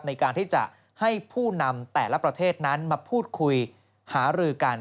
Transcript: ในการที่จะให้ผู้นำแต่ละประเทศนั้นมาพูดคุยหารือกัน